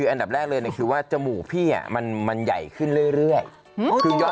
อันดับแรกเลยคือว่าจมูกพี่มันใหญ่ขึ้นเรื่อย